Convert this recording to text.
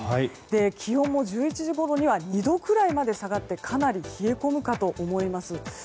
気温も１１時頃には２度くらいまで下がってかなり冷え込むかと思います。